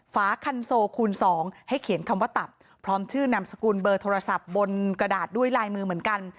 ฝาคันโซคูณ๒ให้เขียนคำว่าตับพร้อมชื่อนามสกุลเบอร์โทรศัพท์บนกระดาษด้วยลายมือเหมือนกัน